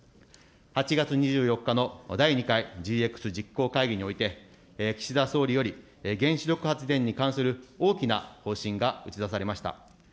８月２４日の第２回ＧＸ実行会議において、岸田総理より原子力発電に関する大きな方針が打ち出されました。